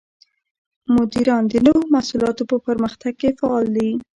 مدیران د نوو محصولاتو په پرمختګ کې فعال دي.